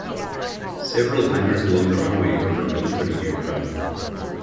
Several hangars along the runway are for military aircraft.